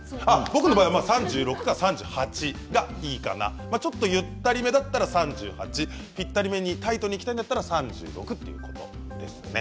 僕の場合は３６か３８台かなちょっとゆったりめだったら３８、ぴったりめにタイトにはきたいなら３６ということですね。